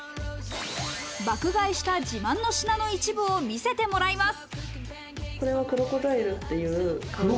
爆買いした自慢の品の一部を見せてもらいます。